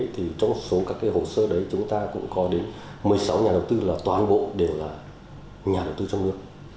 thì trong số các hồ sơ đấy chúng ta cũng có đến một mươi sáu nhà đầu tư là toàn bộ đều là nhà đầu tư trong nước